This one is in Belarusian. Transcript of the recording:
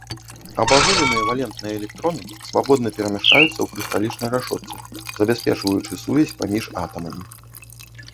Абагуленыя валентныя электроны свабодна перамяшчаюцца ў крышталічнай рашотцы, забяспечваючы сувязь паміж атамамі.